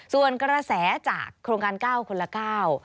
ส่วนกระแสจากโครงการเก้าคนละเก้า